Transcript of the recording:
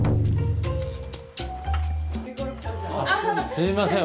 すいません